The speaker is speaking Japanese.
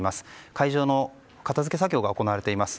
会場の片付け作業が行われています。